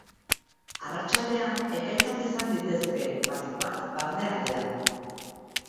Arratsaldean ekaitzak izan litezke, batik bat barnealdean.